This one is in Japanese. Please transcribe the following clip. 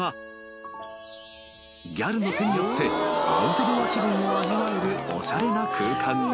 ［ギャルの手によってアウトドア気分を味わえるおしゃれな空間に］